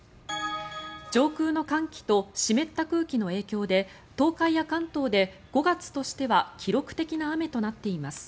上空の寒気と湿った空気の影響で東海や関東で５月としては記録的な雨となっています。